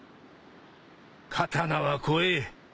刀は怖え